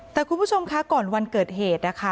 แต่คุณผู้ชมคะก่อนวันเกิดเหตุนะคะ